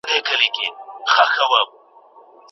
د فارابي په نظر مدینه فاضله یو خوب دی.